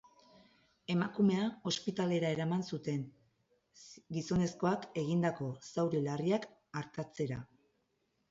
Emakumea ospitalera eraman zuten, gizonezkoak egindako zauri larriak artatzera.